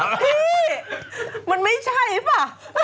พี่มันไม่ใช่ป่ะ